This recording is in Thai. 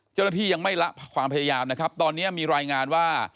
เจ้าหน้าที่ยังไม่ละความพยายามนะครับตอนนี้มีรายงานว่า